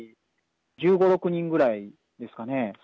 １５、６人ぐらいですかね。